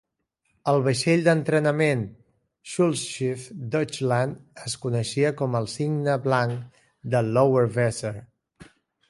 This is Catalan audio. El vaixell d'entrenament Schulschiff Deutschland es coneixia com "el cigne blanc del Lower-Wesser".